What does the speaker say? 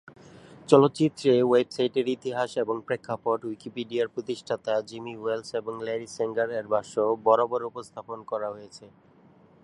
চলচ্চিত্রে, ওয়েবসাইটের ইতিহাস এবং প্রেক্ষাপট উইকিপিডিয়ার প্রতিষ্ঠাতা জিমি ওয়েলস এবং ল্যারি স্যাঙ্গার-এর ভাষ্য বরাবর উপস্থাপন করা হয়েছে।